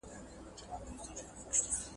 ځینو خلکو په ټولنیزو رسنیو نیوکې وکړې.